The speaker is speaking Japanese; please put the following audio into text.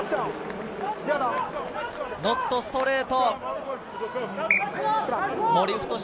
ノットストレート。